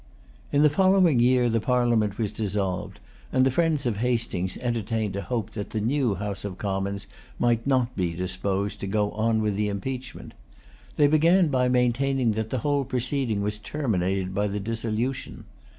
In the following year the Parliament was dissolved, and the friends of Hastings entertained a hope that the new House of Commons might not be disposed to go on with the impeachment. They began by maintaining that the whole proceeding was terminated by the dissolution.